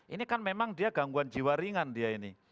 ini kan memang dia gangguan jiwa ringan dia ini